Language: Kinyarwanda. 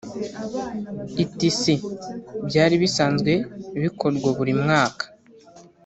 etc) byari bisanzwe bikorwa buri mwaka